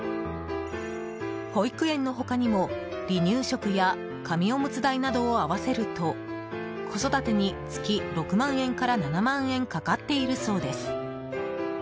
保育園の他にも、離乳食や紙おむつ代などを合わせると子育てに月６万円から７万円かかっているそうです。